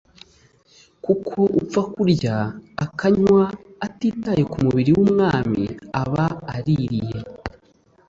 Kuko upfa kurya, akanywa, atitaye ku mubiri w'Umwami, aba aririye,